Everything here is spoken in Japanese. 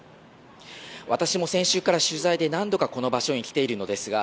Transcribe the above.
私も、先週から取材で何度かこの場所に来ているのですが